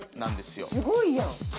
すごいやん！